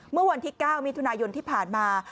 เมื่อวันที่๙มิถุนายนที่ผ่านมา